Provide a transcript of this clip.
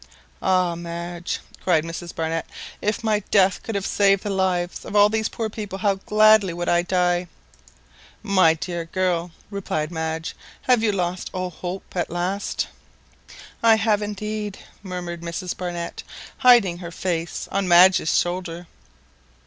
"Ah, Madge!" cried Mrs Barnett, "if my death could save the lives of all these poor people, how gladly would I die!" "My dear girl," replied Madge, "have you lost all hope at last?" "I have indeed," murmured Mrs Barnett, hiding her face on Madge's shoulder.